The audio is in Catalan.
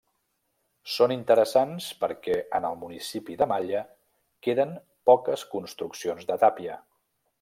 Són interessants perquè en el Municipi de Malla queden poques construccions de tàpia.